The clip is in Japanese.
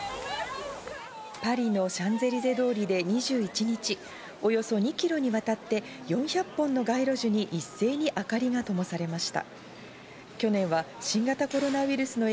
パリのシャンゼリゼ通りで２１日、およそ２ｋｍにわたって４００本の街路樹に一斉にあかりがともされました。